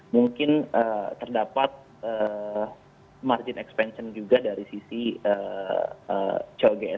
mungkin terdapat margin expansion juga dari sisi choice